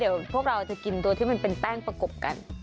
เดี๋ยวพวกเราจะกินตัวที่มันเป็นแป้งประกบกัน